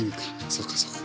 そうかそうか。